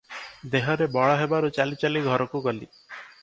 ଦେହରେ ବଳ ହେବାରୁ ଚାଲି ଚାଲି ଘରକୁ ଗଲି ।